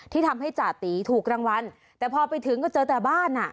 ที่ทำให้จาตีถูกรางวัลแต่พอไปถึงก็เจอแต่บ้านอ่ะ